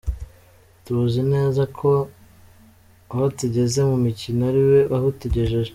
Tuzi nezko ahotugeze mumikino ariwe uhatugejeje.